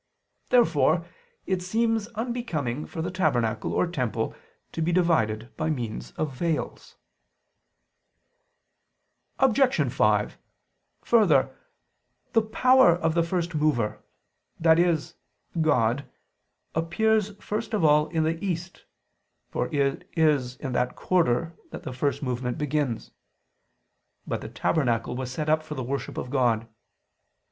Therefore it seems unbecoming for the tabernacle or temple to be divided by means of veils. Obj. 5: Further, the power of the First Mover, i.e. God, appears first of all in the east, for it is in that quarter that the first movement begins. But the tabernacle was set up for the worship of God.